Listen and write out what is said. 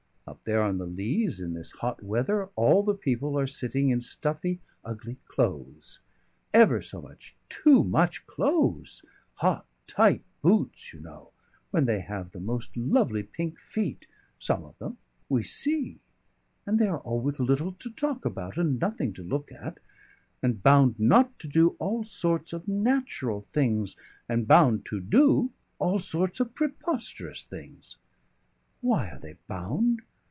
Up there on the Leas in this hot weather all the people are sitting in stuffy ugly clothes ever so much too much clothes, hot tight boots, you know, when they have the most lovely pink feet, some of them we see, and they are all with little to talk about and nothing to look at, and bound not to do all sorts of natural things and bound to do all sorts of preposterous things. Why are they bound?